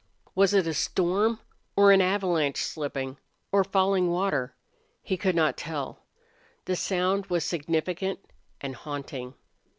Was it a storm or an avalanche slipping or falling water? He could not tell. The sound was significant and haunting.